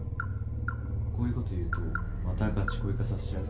こういうこと言うとまたガチ恋化させちゃう？